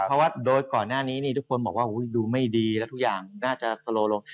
เพราะว่าโดยก่อนหน้านี้ทุกคนบอกว่าดูไม่ดีแล้วทุกอย่างน่าจะสโลลง